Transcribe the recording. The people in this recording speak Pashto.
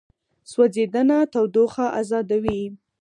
سوځېدنه تودوخه ازادوي.